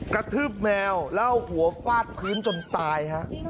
กระทืบแมวแล้วเอาหัวฟาดพื้นจนตายฮะ